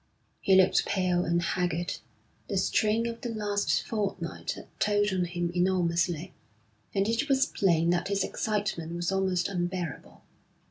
He looked pale and haggard. The strain of the last fortnight had told on him enormously, and it was plain that his excitement was almost unbearable.